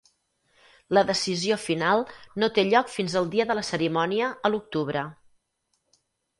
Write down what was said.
La decisió final no té lloc fins al dia de la cerimònia a l'octubre.